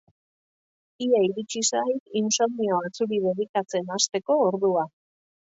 Ia iritsi zait insomnioa zuri dedikatzen hasteko ordua